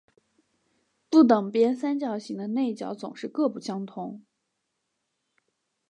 不等边三角形的内角总是各不相同。